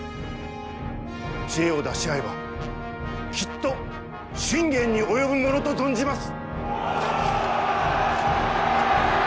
知恵を出し合えばきっと信玄に及ぶものと存じます！